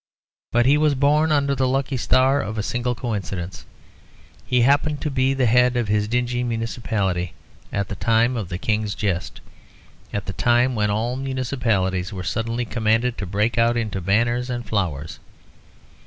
But he was born under the lucky star of a single coincidence. He happened to be at the head of his dingy municipality at the time of the King's jest, at the time when all municipalities were suddenly commanded to break out into banners and flowers.